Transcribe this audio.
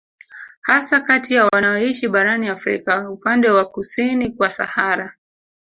Hasa kati ya wanaoishi barani Afrika upande wa kusini kwa Sahara